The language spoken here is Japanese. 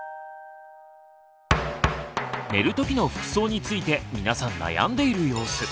寝る時の服装について皆さん悩んでいる様子。